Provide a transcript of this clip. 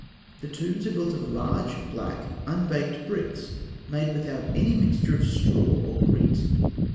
The tombs are built of large, black, unbaked bricks, made without any mixture of straw or grit.